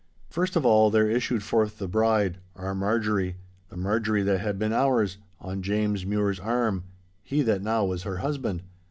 First of all there issued forth the bride, our Marjorie, the Marjorie that had been ours, on James Mure's arm—he that now was her husband.